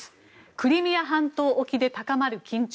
クリミア半島沖で高まる緊張。